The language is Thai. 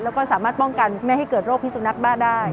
แล้วก็สามารถป้องกันไม่ให้เกิดโรคพิสุนักบ้าได้